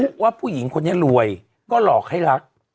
ว่าผู้หญิงคนนี้รวยก็หลอกให้รัก